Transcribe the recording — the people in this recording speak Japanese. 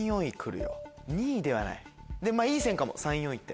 いい線かも３位４位って。